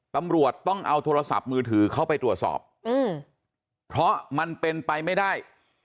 ตำรวจต้องเอาโทรศัพท์มือถือเข้าไปตรวจสอบเพราะมันเป็นไปไม่ได้